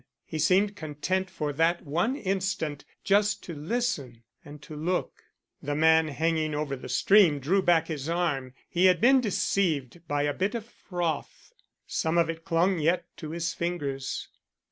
He seemed content for that one instant just to listen and to look. The man hanging over the stream drew back his arm. He had been deceived by a bit of froth; some of it clung yet to his fingers.